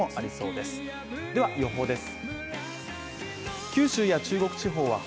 では予報です。